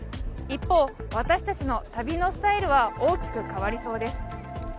一方、私たちの旅のスタイルは大きく変わりそうです。